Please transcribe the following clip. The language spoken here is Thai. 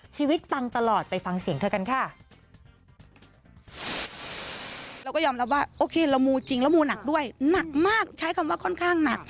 ปังตลอดไปฟังเสียงเธอกันค่ะ